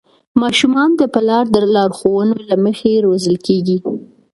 ماشومان د پلار د لارښوونو له مخې روزل کېږي.